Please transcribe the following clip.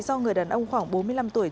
do người đàn ông khoảng bốn mươi năm tuổi